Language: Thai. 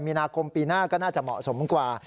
มีนาคมปีหน้าก็น่าจะเหมาะสมกว่า